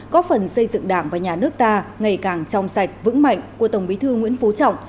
có phần xây dựng đảng và nhà nước ta ngày càng trong sạch vững mạnh của tổng bí thư nguyễn phú trọng